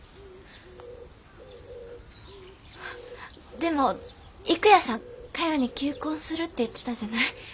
でも郁弥さんかよに求婚するって言ってたじゃない。